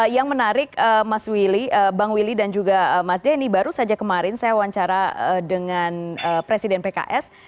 yang menarik mas willy bang willy dan juga mas denny baru saja kemarin saya wawancara dengan presiden pks